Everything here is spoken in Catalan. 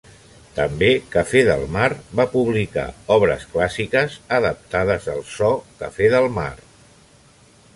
També Cafè del Mar va publicar obres clàssiques, adaptades al so Cafè del Mar.